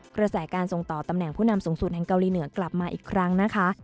กระแสการส่งต่อตำแหน่งผู้นำสูงสุดแห่งเกาหลีเหนือกลับมาอีกครั้งนะคะ